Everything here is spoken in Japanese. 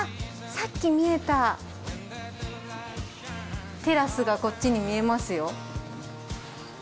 さっき見えたテラスがこっちに見えますよ。